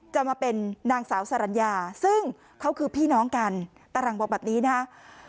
จะมาเป็นนางสาวสรรญาซึ่งเขาคือพี่น้องกันตาหลังบอกแบบนี้นะฮะ